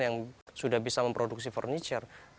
yang sudah bisa memproduksi furniture